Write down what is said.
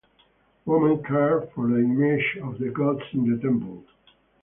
Women cared for the images of the gods in the temple.